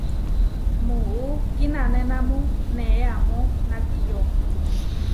Muú kinanénamu neé amó nakiyó.